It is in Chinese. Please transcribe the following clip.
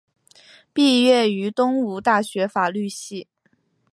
毕业于东吴大学法律系。